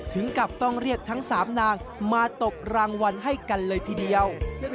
ถึงกับต้องเรียกทั้ง๓นางมาตบรางวัลให้กันเลยทีเดียว